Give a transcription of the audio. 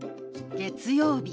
「月曜日」。